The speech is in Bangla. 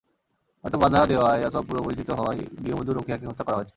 হয়তো বাধা দেওয়ায় অথবা পূর্বপরিচিত হওয়ায় গৃহবধূ রোকেয়াকে হত্যা করা হয়েছে।